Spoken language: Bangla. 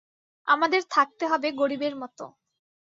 আমাদের থাকতে হবে গরিবের মতো।